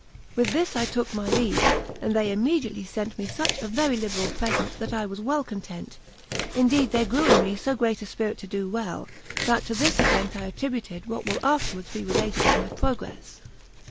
With this I took my leave, and they immediately sent me such a very liberal present, that I was well content; indeed there grew in me so great a spirit to do well, that to this event I attributed what will afterwards be related of my progress.